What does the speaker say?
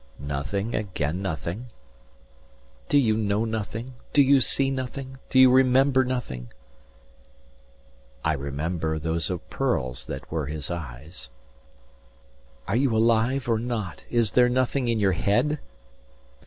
Nothing again nothing. 120 "Do You know nothing? Do you see nothing? Do you remember Nothing?" I remember Those are pearls that were his eyes. 125 "Are you alive, or not? Is there nothing in your head?"